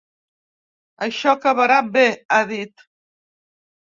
Això acabarà bé, ha dit.